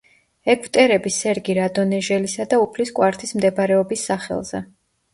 ეგვტერები სერგი რადონეჟელისა და უფლის კვართის მდებარეობის სახელზე.